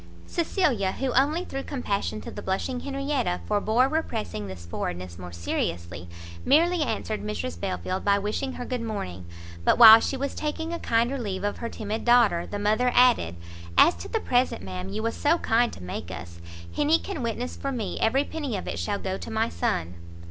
Cecilia, who only through compassion to the blushing Henrietta forbore repressing this forwardness more seriously, merely answered Mrs Belfield by wishing her good morning; but, while she was taking a kinder leave of her timid daughter, the mother added "As to the present, ma'am, you was so kind to make us, Henny can witness for me every penny of it shall go to my son."